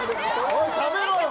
おい食べろ！